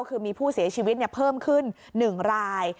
คือมีผู้เสียชีวิตเพิ่มขึ้น๑ราย